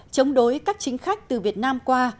chống đối các chính khách từ việt nam qua